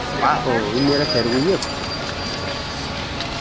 Uh, imir-a terwi akk...